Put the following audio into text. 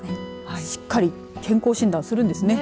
しっかり健康診断するんですね。